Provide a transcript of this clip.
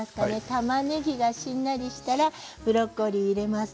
たまねぎがしんなりしたらブロッコリーを入れます。